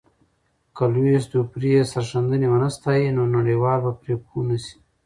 که لويس دوپري یې سرښندنه ونه ستایي، نو نړیوال به پرې پوه نه سي.